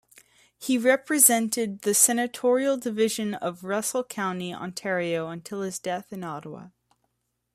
He represented the senatorial division of Russell County, Ontario until his death in Ottawa.